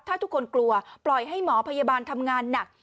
ถ้าทุกคนกลัวปล่อยให้หมอพยาบาลทำงานหนัก